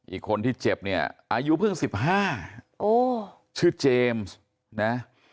อีกคนที่เจ็บเนี่ยอายุเพิ่ง๑๕ชื่อเจมส์นะ